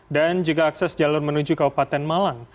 dan juga akses jalur menuju keupatan malang